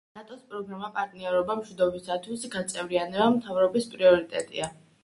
ნატო-ს პროგრამა „პარტნიორობა მშვიდობისთვის“ გაწევრიანება მთავრობის პრიორიტეტია.